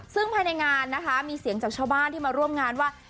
ซึ่งภายในงานนะคะมีเสียงจากชาวบ้านที่มาร่วมงานว่า